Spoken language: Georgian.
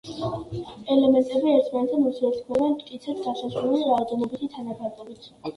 ელემენტები ერთმანეთთან ურთიერთქმედებენ მტკიცედ განსაზღვრული რაოდენობითი თანაფარდობით.